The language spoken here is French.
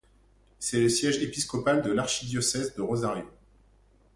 C’est le siège épiscopal de l’archidiocèse de Rosario.